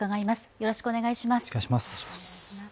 よろしくお願いします。